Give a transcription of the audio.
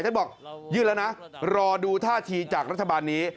ท่านบอกยื่นแล้วนะรอดูท่าทีจากรัฐบาลนี้